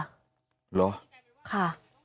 เหรอค่ะ